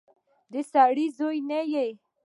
د سړي زوی نه يې.